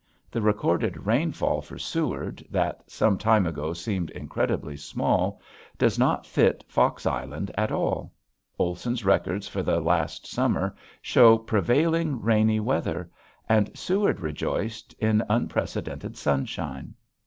The recorded rainfall for Seward, that some time ago seemed incredibly small, does not fit Fox Island at all. Olson's records for last summer show prevailing rainy weather and Seward rejoiced in unprecedented sunshine!